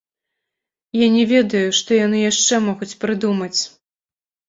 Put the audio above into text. Я не ведаю, што яны яшчэ могуць прыдумаць!